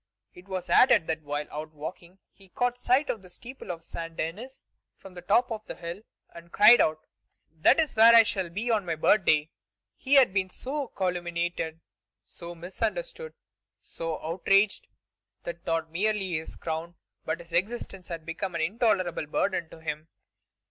It was added that while out walking he caught sight of the steeple of Saint Denis from the top of the hill, and cried out: "That is where I shall be on my birthday." He had been so calumniated, so misunderstood, so outraged, that not merely his crown but his existence had become an intolerable burden to him.